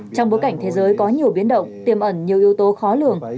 trong bối cảnh thế giới có nhiều biến động tiềm ẩn nhiều yếu tố khó lường